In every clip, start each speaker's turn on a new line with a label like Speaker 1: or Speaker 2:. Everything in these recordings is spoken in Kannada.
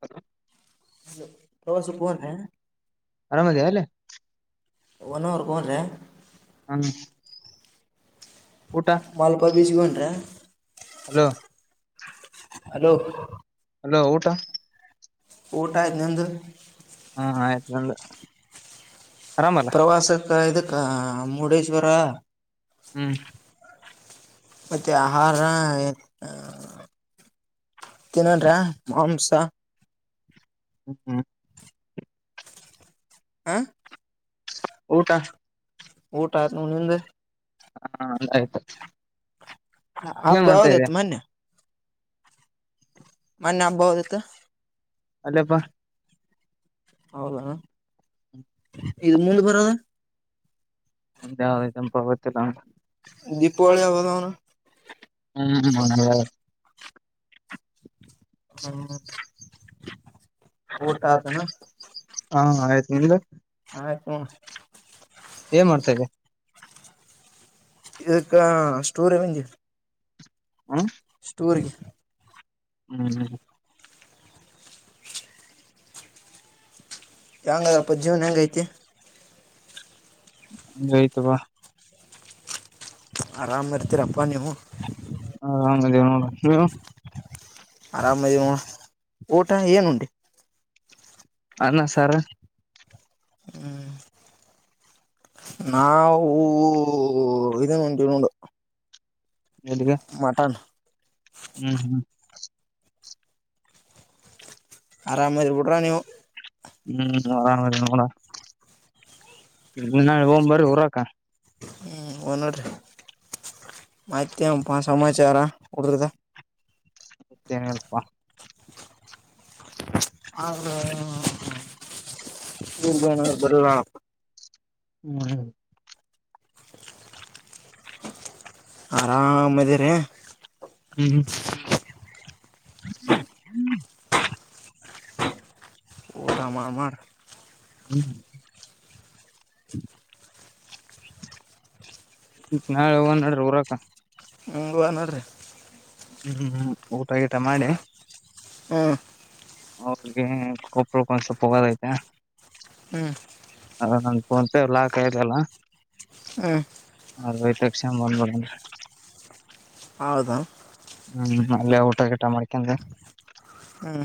Speaker 1: ಹ [unintelligible]
Speaker 2: ತ ಸುಪನೇ
Speaker 1: ಆರಾಮದ ಅಲ್ಲೇ
Speaker 2: [unintelligible] ವನಾರ್ಗ ಓದ
Speaker 1: ಹ್ಮ್ ಊಟ
Speaker 2: ಮಲ್ಪಾ ಬೀಚ್ಗಟ್ರ
Speaker 1: ಹಲೋ
Speaker 2: ಹಲೋ
Speaker 1: ಅಲೋ ಊಟ
Speaker 2: ಊಟ ಇಿನಂದು
Speaker 1: ಹಾ ಆಯತಕಳ್ಳ
Speaker 2: ಪ್ರವಾಸಕ್ಕೆ ಇದಕ್ಕೆ ಮುರುಡೇಶ್ವರ
Speaker 1: ಹ್ಮ್
Speaker 2: ಮತ್ತ ಆಹಾರ ತಿನ್ನರ್ಯಾ ಮಾಂಸ
Speaker 1: ಹ್ಮ ಹ್ಮ
Speaker 2: ಹಾ
Speaker 1: ಊಟ
Speaker 2: ಊಟ ಆಯ್ತ ನ ನಿಂದೆ
Speaker 1: ಹ ಆಯ್ತು
Speaker 2: ಅ
Speaker 1: ಏನ್ ಮಾಡ್ತಾ ಇದೀಯ
Speaker 2: ಬವದತು ಮೊನ್ನೆ ಮೊನ್ನೆ ಹಬ್ಬ ಹದತ್ತು
Speaker 1: ಅಲ್ಲಪ್ಪ
Speaker 2: ಹೌದ ಇದು ಮುಂದ ಬರದ
Speaker 1: ಅಂದಾವದ ಪಾವತ್ತು ಲ
Speaker 2: ದೀಪಾವಳಿ ಹಬ್ಬದ ಅವನು
Speaker 1: ಹ್ಮ್ ಹ
Speaker 2: ಹ್ಮ ಊಟ ಆತನಾ
Speaker 1: ಹಾ ಆಯ್ತು ನಿಮ್ದು
Speaker 2: ಆಯ್ತು ನಾ
Speaker 1: ಏನ್ ಮಾಡ್ತೇವೆ
Speaker 2: ಇಕ್ಕ ಸ್ಟೋರ್ ಇವೆಜ
Speaker 1: ಹ್ಮ್
Speaker 2: ಸ್ಟೋರ್ಗೆ
Speaker 1: ಹ್ಮ್
Speaker 2: ಹೆಂಗ ಅದ್ರಪ್ಪ ಜೀವನ ಹೆಂಗೈತಿ
Speaker 1: ಇಂಗೈತಪ
Speaker 2: ಆರಾಮ್ ಇರ್ತೀರಪ್ಪಾ ನೀವು
Speaker 1: ಹದೇ ನೀನು
Speaker 2: ಆರಾಮ ಊಟ ಏನುಂಟಡಿ
Speaker 1: ಅನ್ನ ಸಾರ್
Speaker 2: ಹ್ಮ್ ನಾಾವ ಇದೇನ್ ಉಂಟವಿ ನೋಡು
Speaker 1: ಎಲ್ಲಿಗೆ
Speaker 2: ಮಟನ್
Speaker 1: ಹ್ಮ್ ಹ್ಮ್
Speaker 2: ಆರಾಮದಿರ್ಬಿಟ್ರ ನೀವು
Speaker 1: ಹ್ಮ್ ಅರಾಮ ನೋಡೆ ಹೋಗ ಬರಿ ಊರಾಕ
Speaker 2: ಹ್ಮ್ ನೋಡೀ ಮಾತಿ ಸಮಾಚಾರ ಉಡ್ರುದಾ
Speaker 1: ಮತ್ತೇನಲ್ಪಾ
Speaker 2: ಹೌದ ಹ ಬರ
Speaker 1: ಹ್ಮ್
Speaker 2: ಆರಾಮ ಇದದ ರ
Speaker 1: ಹ್ಮ್ ಹ
Speaker 2: ಒಊಟ ಮಾಡಾರ ಮಾಡಾರ
Speaker 1: ಹ್ಮ ನಾಳೆ ಹ ನಡ್ರಿ ಊರಾಕ
Speaker 2: ಹ್ಮ ವ ನೋಡ್ರಿಹೈ
Speaker 1: ಹ್ಮ್್ಮ್್ಮ್ ಊಟ ಊಟ ಮಾಡಿ
Speaker 2: ಹ್ಮ್
Speaker 1: ಅವ್ರಿಗೆ ಕೊಬಳಕ್ ಒಂದ್ ಸ್ವಲ್ಪ ಹೋಗದಐತೆ
Speaker 2: ಹ್ಮ್
Speaker 1: ಹ ನ ಫೋನ್ ಪೇ ಲಾಕ್ ಆಯದೆ ಅಲ್ಲ
Speaker 2: ಹ್ಮ್
Speaker 1: ಅದವೈತಕ್ಷಣ ಬಂದ್ಬಡ
Speaker 2: ಹೌದ
Speaker 1: ಹ್ಮ್ ಅಲ್ಲೇ ಊಟ ಗಿಟ ಮಾಡ್ಕಂತ
Speaker 2: ಹಾಂ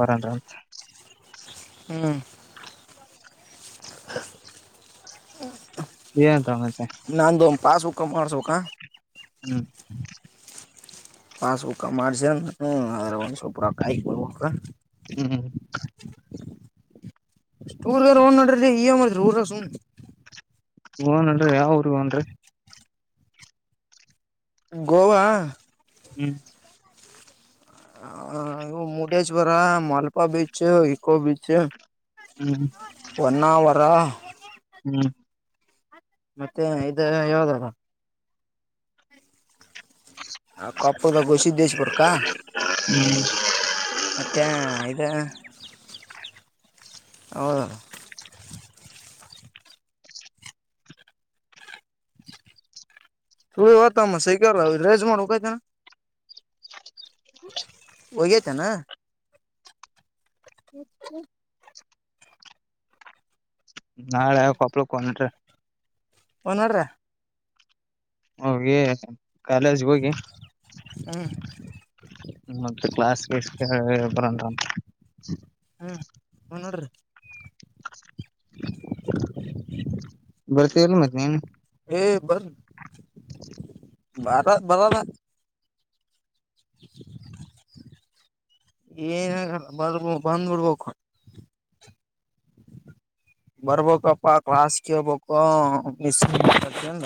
Speaker 1: ಬರಂತಂತ
Speaker 2: ಹ್ಮ್
Speaker 1: ಏನ್ ತ
Speaker 2: ನಂದು ಪೊಕ ಅಠ ಸೊಕ
Speaker 1: ಹ್ಮ
Speaker 2: ಪಾಸ್ ಬು ಕ ಮಾಡಾರ್ಸ ಹ ಅ ಒಪ ಕ
Speaker 1: ಹ್ಮ್
Speaker 2: ಟೂರ್ಗ ಹೋ್ ನಡ್ರಿ ಈ ಮಾಡದಿ ಊರ ಸುನ್
Speaker 1: ಹ್ನನ್ರರಿ ಯಾವ್ರ ಹನ್ರಿ
Speaker 2: ಗೋವಾ
Speaker 1: ಹ್ಮ್
Speaker 2: Murudeshwar Malpe beach eco beach
Speaker 1: ಹ್ಮ್
Speaker 2: ತ್ರೇ
Speaker 1: ಹ್ಮ್
Speaker 2: ಮತ್ತೆ ಇ ಯಾವ್ದಲ್ಲ ಆ ಕಪ್ಪಡದ ಗುಸಿದ್ದೇಶ ಪ್ರಕಾರ
Speaker 1: ಹ್ಮ್
Speaker 2: ಮತ್ತೆ ಇ ಹ ಸುತಮ್ಮ ಸೈಕ್ಯ ರೇಜ ಮಾಡ್ ಹೋಗಾಯ್ತಾ ಒಯತ ನ
Speaker 1: ನಾಳ ಕಪಳ ಕೊನ್ಟ್ರ
Speaker 2: ಒಡ್ರ
Speaker 1: ಹೋಗಿ ಕಾಲೇಜ್ ಹೋಗಿ
Speaker 2: ಹ್ಮ್
Speaker 1: ಮತ್ತ ಕ್ಲಾಸ್ಸ್ ಟಿ
Speaker 2: ಹ್ ನೋಡ್ರಿ
Speaker 1: ಬರ್ತ ಎಲ್ಲ ಮತ್ತ ನೀನು
Speaker 2: ಏ ಬರ್ರ ಬರ ಬರದ ಏನ್ಲ್ಲ ಬರ್ಬ ಬಂದ್ಬಿಡ್ಬೇಕು ಬರ್ಬೇಕಪ್ಪಾ ಕ್ಲಾಸ್ ಕೇಳ್ಬೇಕು ಮಿಸ್ತನ್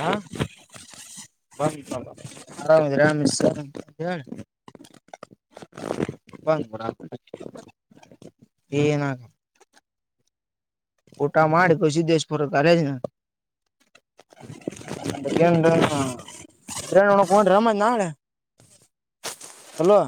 Speaker 2: ಆರಾಮಾಮ ಮ ಬಂದ್ಬಡ ಏನಾಗ ಓಟಾ ಮಾಡಳ ಕಸು ದೇಶ ರಕ ಆೆಜ ನ ಅಂದ ಒೊಂಡ ರಮತ್ ನಾಳೆ ಹಲೋ